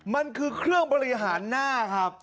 มันคือเครื่องบริหารหน้าครับ